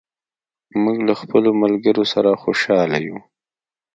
موږ له خپلو ملګرو سره خوشاله یو.